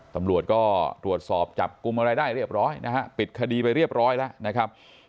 ตำรวจสอบจับกลุ่มอะไรได้เรียบร้อยปิดคดีเรียบร้อยแล้ว